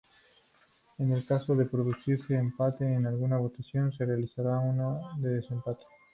En el caso de producirse empate en alguna votación se realiza una de desempate.